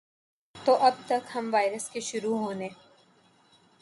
تو اب تک ہم وائرس کے شروع ہونے